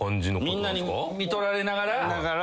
みんなにみとられながら。